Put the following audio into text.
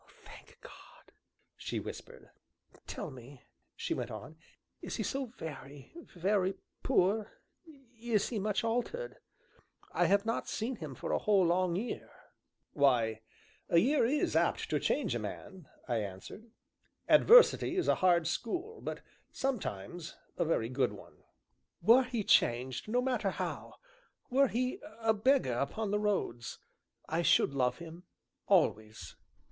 "Thank God!" she whispered. "Tell me," she went on, "is he so very, very poor is he much altered? I have not seen him for a whole, long year." "Why, a year is apt to change a man," I answered. "Adversity is a hard school, but, sometimes, a very good one." "Were he changed, no matter how were he a beggar upon the roads, I should love him always!"